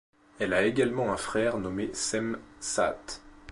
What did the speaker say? Elle a également un frère nommé Cem Saat.